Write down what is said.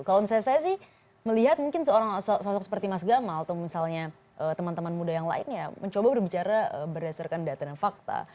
kalau misalnya saya sih melihat mungkin seorang sosok seperti mas gamal atau misalnya teman teman muda yang lain ya mencoba berbicara berdasarkan data dan fakta